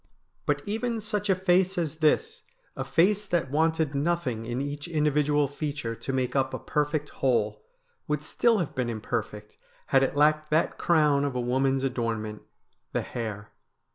But even such a face as this, a face that wanted nothing in each individual feature to make up a perfect whole, would still have been imperfect had it lacked that crown of a woman's adornment — the hair.